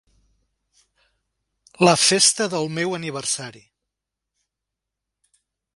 La festa del meu aniversari.